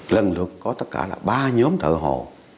lần lượt có tất cả là ba nhóm thợ hồ